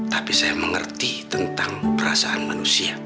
tapi saya mengerti tentang perasaan manusia